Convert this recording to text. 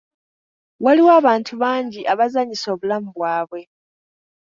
Waliwo abantu bangi abazanyisa obulamu bwabwe.